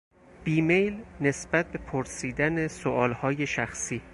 بیمیل نسبت به پرسیدن سوالهای شخصی